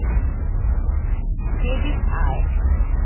David, আয়।